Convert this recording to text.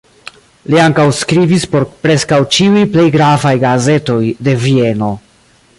Li ankaŭ skribis por preskaŭ ĉiuj plej gravaj gazetoj de Vieno.